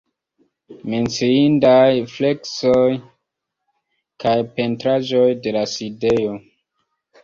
Menciindaj freskoj kaj pentraĵoj de la sidejo.